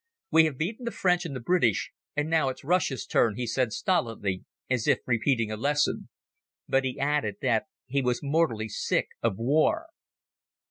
"We have beaten the French and the British, and now it is Russia's turn," he said stolidly, as if repeating a lesson. But he added that he was mortally sick of war.